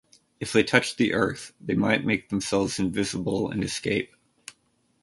If they touched the earth, they might make themselves invisible and escape.